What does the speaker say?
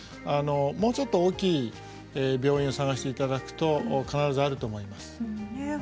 もうちょっと大きい病院を探していただくと必ずあると思います。